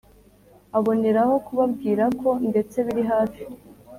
aboneraho kubabwirako ndetse biri hafi